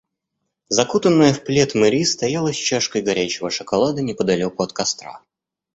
Закутанная в плед Мэри стояла с чашкой горячего шоколада неподалёку от костра.